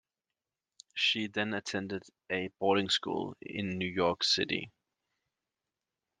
She then attended a boarding school in New York City.